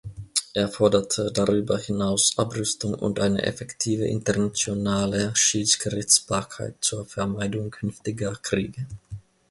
Er forderte darüber hinaus Abrüstung und eine effektive internationale Schiedsgerichtsbarkeit zur Vermeidung künftiger Kriege.